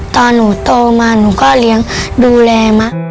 ตอนหนูโตมาหนูก็เลี้ยงดูแลมะ